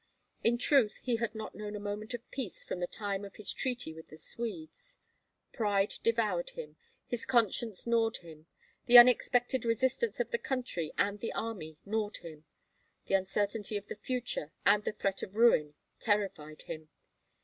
In truth, he had not known a moment of peace from the time of his treaty with the Swedes. Pride devoured him, his conscience gnawed him, the unexpected resistance of the country and the army gnawed him; the uncertainty of the future, and the threat of ruin terrified him.